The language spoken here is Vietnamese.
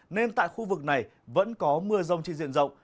nên tại khu vực này vẫn có mưa rông trên diện rộng